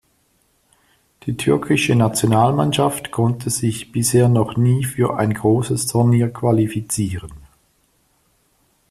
Die türkische Nationalmannschaft konnte sich bisher noch nie für ein großes Turnier qualifizieren.